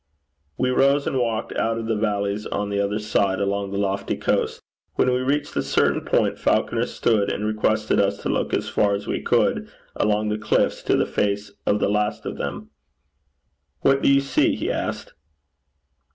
We rose, and walked out of the valley on the other side, along the lofty coast. When we reached a certain point, Falconer stood and requested us to look as far as we could, along the cliffs to the face of the last of them. 'What do you see?' he asked.